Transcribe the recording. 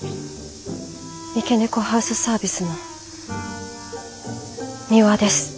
三毛猫ハウスサービスのミワです。